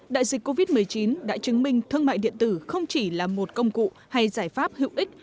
đại dịch covid một mươi chín đã chứng minh thương mại điện tử không chỉ là một công cụ hay giải pháp hữu ích